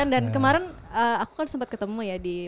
dan kemarin aku kan sempat ketemu